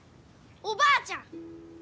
おばあちゃん！